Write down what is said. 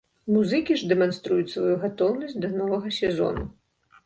Музыкі ж дэманструюць сваю гатоўнасць да новага сезону.